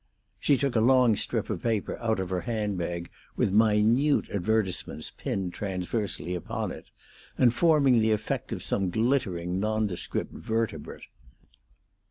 She took a long strip of paper out of her hand bag with minute advertisements pinned transversely upon it, and forming the effect of some glittering nondescript vertebrate.